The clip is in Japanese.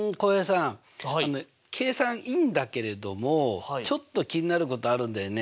さん計算いいんだけれどもちょっと気になることあるんだよね。